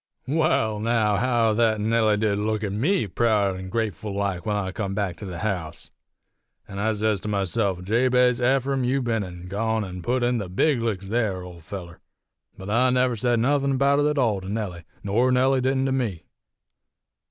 "Well, now, how thet Nellie did look at me, proud an' grateful like, when I come back to the house; an' sez I to myself, 'Jabez Ephraim, you've ben an' gone an' put in the big licks there, old feller!' But I never sed nuthin' about it at all to Nellie, nor Nellie didn't to me.